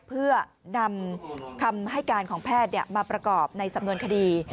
เพื่อนำคำให้การของแพทย์มาประกอบในสำนวนคดี